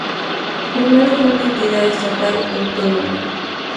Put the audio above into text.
Primero fue una entidad estatal autónoma.